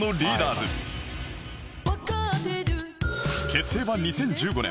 結成は２０１５年